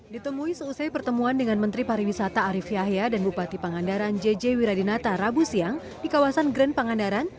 ditemui seusai pertemuan dengan menteri pariwisata arief yahya dan bupati pangandaran jj wiradinata rabu siang di kawasan grand pangandaran